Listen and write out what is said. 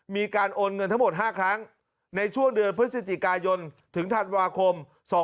มีการโอนเงินทั้งหมด๕ครั้งในช่วงเดือนพฤศจิกายนถึงธันวาคม๒๕๖